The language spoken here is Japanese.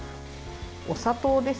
お砂糖です。